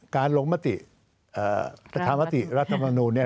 การลงมติสถามติรัฐมนุน